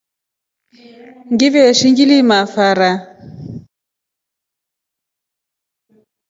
Ngiveshi ngilima fara.